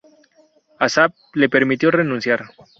Asaph, la permitió renunciar.